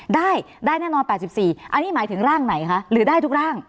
ได้ได้แน่นอน๘๔อันนี้หมายถึงร่างไหนคะหรือได้ทุกร่าง